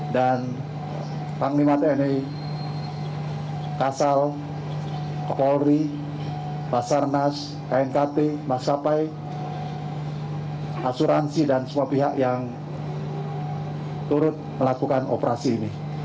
dan panglima tni kasal polri pasar nas knkt mas kapai asuransi dan semua pihak yang turut melakukan operasi ini